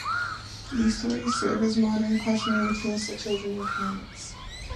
These stories serve as modern cautionary tales to children and parents.